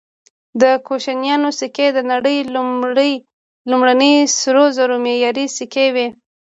د کوشانیانو سکې د نړۍ لومړني سرو زرو معیاري سکې وې